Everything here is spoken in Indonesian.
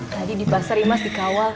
tadi di pasar emas dikawal